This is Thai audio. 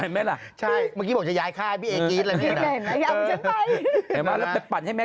เห็นไหมละใช่เมื่อกี้บอกจะย้ายค่าให้พี่เอกี๊ดอะไรเห็นไหม